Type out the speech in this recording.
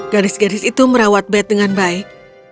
gadis gadis itu merawat bed dengan baik